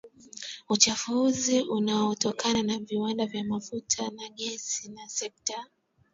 Uchafuzi unaotokana na viwanda vya mafuta na gesi na sekta